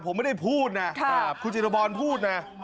ผมไม่ได้พูดนะคุณจิตรพรพูดนะ